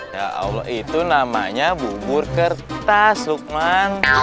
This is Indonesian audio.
ya allah itu namanya bubur kertas lukman